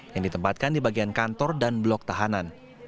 yang ditempatkan di bagian kantor dan blok tahanan